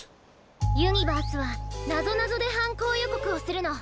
ユニバースはなぞなぞではんこうよこくをするの。